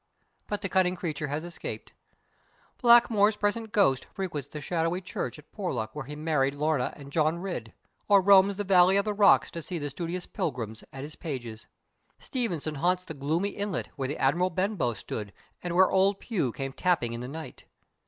But the cunning creature has escaped. Blackmore's pleasant ghost frequents the shadowy church at Porlock where he married Lorna and John Ridd, or roams the Valley of the Rocks to see the studious pilgrims at his pages. Stevenson haunts the gloomy inlet where the Admiral Benbow stood and where old Pew came tapping in the night.